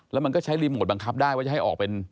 แล้วมันก็ใช้รีโมทบังคับได้ว่าจะให้ออกเป็น